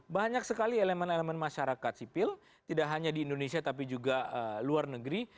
banyak sekali elemen elemen masyarakat sipil tidak hanya di indonesia tapi juga luar negeri